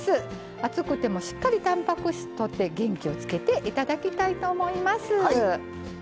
暑くてもしっかりたんぱく質とって元気をつけていただきたいと思います。